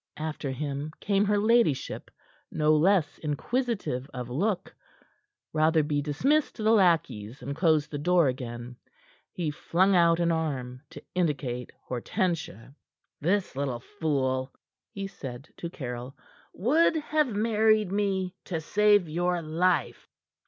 After him came her ladyship, no less inquisitive of look. Rotherby dismissed the lackeys, and closed the door again. He flung out an arm to indicate Hortensia. "This little fool," he said to Caryll, "would have married me to save your life."